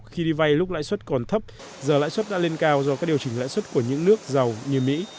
khi đi vay lúc lãi suất còn thấp giờ lãi suất đã lên cao do các điều chỉnh lãi suất của những nước giàu như mỹ